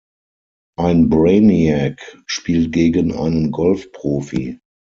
Ein Brainiac spielt gegen einen Golf-Profi.